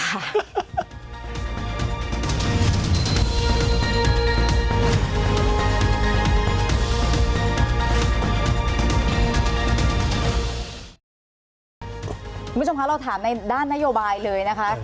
คุณผู้ชมคะเราถามในด้านนโยบายเลยนะคะ